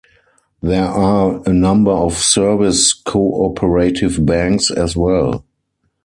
There are a number of Service Co-operative Banks as well.